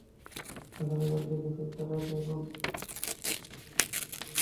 এখানে যাঁরা লিখেছেন, তাঁরা একেবারে অন্তরের অন্তস্তল থেকে শিল্পীকে নিয়ে লিখেছেন।